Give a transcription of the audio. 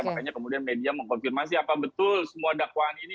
makanya kemudian media mengkonfirmasi apa betul semua dakwaan ini